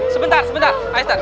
sebentar sebentar ayo ustadz